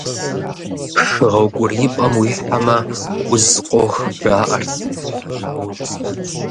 Шы гъэукӏуриипӏэм уихьэмэ, уз къох, жаӏэрт.